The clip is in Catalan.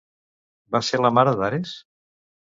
Va ser la mare d'Ares?